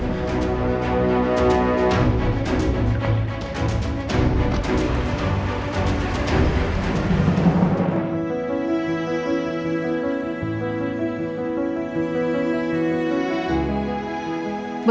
aku mau pergi